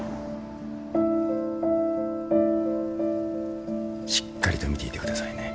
しっかりと見ていてくださいね。